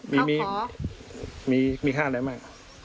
เขาขอมีข้างใดไหม